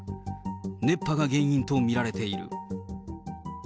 熱波が原因と見られている。